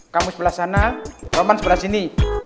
kamu sebelah sana kamu sebelah sini